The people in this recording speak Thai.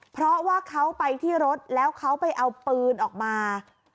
เพราะว่าเขาไปที่รถแล้วเขาไปเอาปืนออกมา